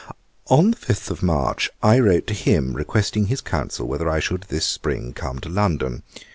On the 5th of March I wrote to him, requesting his counsel whether I should this spring come to London.